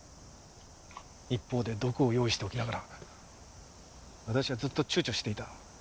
一方で毒を用意しておきながら私はずっと躊躇していた。